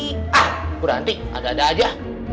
hah berhenti ada ada aja